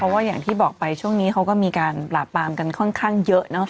เพราะว่าอย่างที่บอกไปช่วงนี้เขาก็มีการปราบปรามกันค่อนข้างเยอะเนอะ